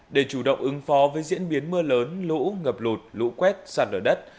để chủ động ứng phó với diễn biến mưa lớn lũ ngập lụt lũ quét sạt ở đất